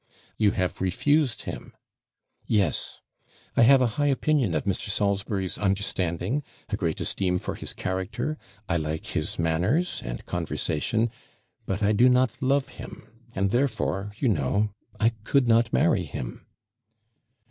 'You have refused him!' 'Yes. I have a high opinion of Mr. Salisbury's understanding, a great esteem for his character; I like his manners and conversation; but I do not love him, and therefore, you know, I could not marry him.'